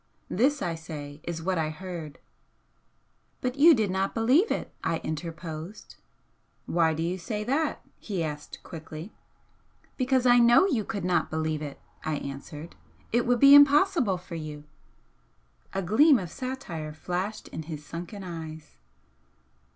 This, I say, is what I heard " "But you did not believe it," I interposed. "Why do you say that?" he asked, quickly. "Because I know you could not believe it," I answered "It would be impossible for you." A gleam of satire flashed in his sunken eyes.